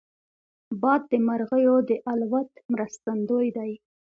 باد د مرغیو د الوت مرستندوی دی